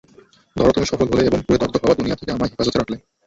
ধরো তুমি সফল হলে এবং পুড়ে দগ্ধ হওয়া দুনিয়া থেকে আমায় হেফাজতে রাখলে?